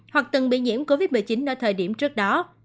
hoặc từng bị nhiễm covid một mươi chín ở thời điểm trước đó